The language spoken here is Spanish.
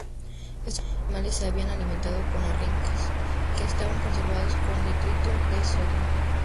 Estos animales se habían alimentado con arenques, que estaban conservados con nitrito de sodio.